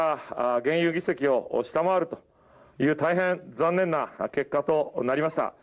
現有議席を下回るという大変残念な結果となりました。